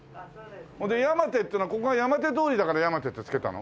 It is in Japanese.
で山手っていうのはここが山手通りだから山手ってつけたの？